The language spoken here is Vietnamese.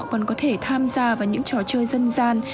còn có thể tham gia vào những trò chơi dân gian